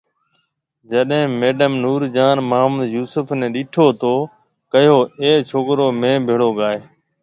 جڏي ميڊم نور جهان محمد يوسف ني ڏيٺو تو ڪهيو ڪي اي ڇوڪرو ميهه ڀيڙو گاۿي؟